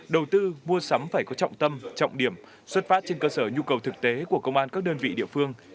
đầu tư mua sắm phải có trọng tâm trọng điểm xuất phát trên cơ sở nhu cầu thực tế của công an các đơn vị địa phương